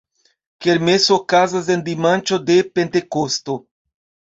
Kermeso okazas en dimanĉo de Pentekosto.